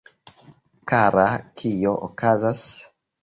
Kara, kio okazas?